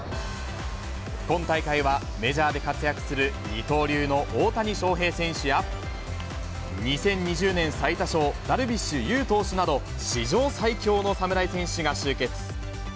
今大会は、メジャーで活躍する二刀流の大谷翔平選手や、２０２０年最多勝、ダルビッシュ有投手など、史上最強の侍戦士が集結。